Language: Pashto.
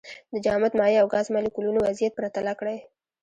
د جامد، مایع او ګاز مالیکولونو وضعیت پرتله کړئ.